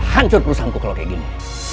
hancur perusahaanku kalau kayak gini